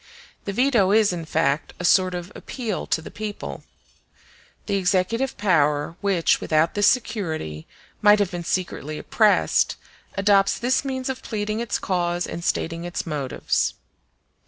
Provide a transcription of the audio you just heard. The veto is, in fact, a sort of appeal to the people. The executive power, which, without this security, might have been secretly oppressed, adopts this means of pleading its cause and stating its motives.